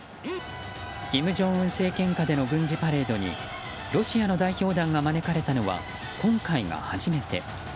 金正恩政権下での軍事パレードにロシアの代表団が招かれたのは今回が初めて。